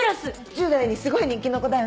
１０代にすごい人気の子だよね？